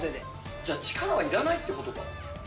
じゃあ、力はいらないってことか。